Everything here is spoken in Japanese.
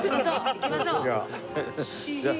行きましょう。